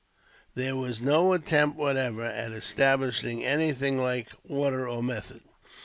There was no attempt, whatever, at establishing anything like order or method.